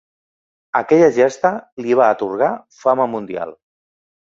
Aquella gesta li va atorgar fama mundial.